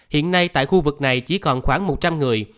hiện nay tại khu vực này chỉ còn khoảng một trăm linh người